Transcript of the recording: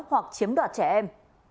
hoặc chiếm đoạt trẻ em